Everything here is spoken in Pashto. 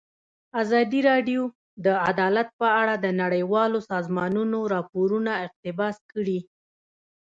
ازادي راډیو د عدالت په اړه د نړیوالو سازمانونو راپورونه اقتباس کړي.